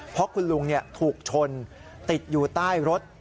เพราะคุณลุงถูกชนติดอยู่ใต้รถ